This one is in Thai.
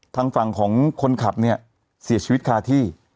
ทางฝั่งของคนขับเนี่ยเสียชีวิตคาที่